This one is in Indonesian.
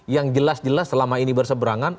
yang jelas jelas selama ini berseberangan